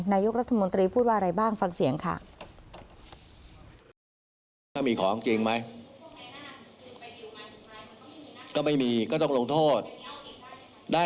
นายกรัฐมนตรีพูดว่าอะไรบ้างฟังเสียงค่ะ